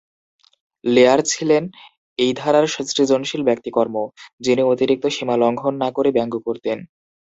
Layer ছিলেন এই ধারার সৃজনশীল ব্যতিক্রম, যিনি অতিরিক্ত সীমা লঙ্ঘন না করে ব্যঙ্গ করতেন।